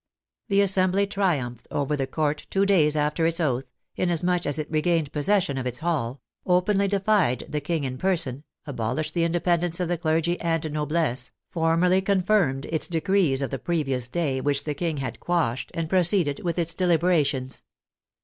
The Assembly triumphed over the Court two days after its oath, inasmuch as it regained possession of its hall, openly defied the King in person, abolished the independence of the clergy and noblesse, formally con firmed its decrees of the previous day which the King had quashed, and proceeded with its deliberations.